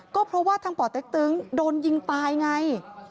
ก็เพราะว่าทางป่อเต็กตึงโดนยิงตายไง